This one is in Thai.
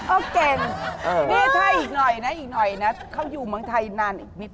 โอ๊ะเก่งถ้าอีกหน่อยนะค่อยู่บางทายนานอีกนิด